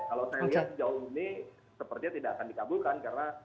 kalau saya lihat sejauh ini sepertinya tidak akan dikabulkan karena